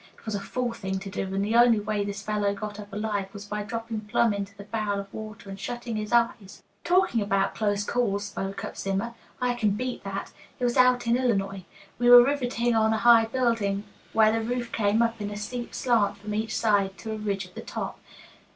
'Twas a fool thing to do, and the only way this fellow got up alive was by dropping plumb into the barrel of water and shutting his eyes." "Talking about close calls," spoke up Zimmer, "I can beat that. It was out in Illinois. We were riveting on a high building, where the roof came up in a steep slant from each side to a ridge at the top.